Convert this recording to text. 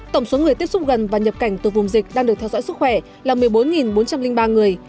tổng số người tiếp xúc gần và nhập cảnh từ vùng dịch đang được theo dõi sức khỏe là một mươi bốn bốn trăm linh ba người